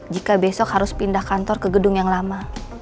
jika besok harus pindah kantor ke gedung yang lama